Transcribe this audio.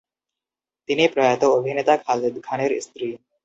তিনি প্রয়াত অভিনেতা খালেদ খানের স্ত্রী।